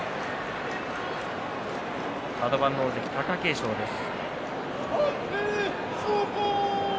カド番大関の貴景勝です。